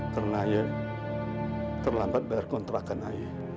karena saya terlambat bayar kontrakan saya